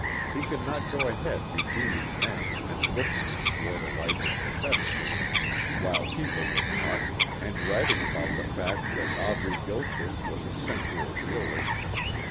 He could not go ahead redeeming men and lifting them toward a life of asceticism while people were talking and writing about the fact that Aubrey Gilchrist was a sensual realist.